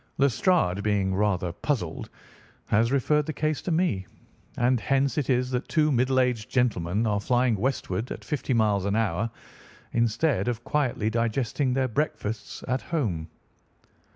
Lestrade, being rather puzzled, has referred the case to me, and hence it is that two middle aged gentlemen are flying westward at fifty miles an hour instead of quietly digesting their breakfasts at home."